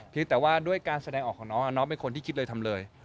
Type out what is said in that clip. แต่ว่าด้วยการแสดงออกของน้องน้องเป็นคนที่คิดเลยทำเลย